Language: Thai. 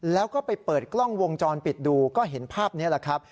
แล้วก็ไปเปิดกล้องวงจรปิดดูก็เห็นภาพนี้แหละครับ